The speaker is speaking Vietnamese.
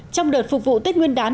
trong đợt phục vụ tết nguyên đán